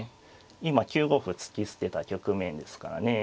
今９五歩突き捨てた局面ですからね。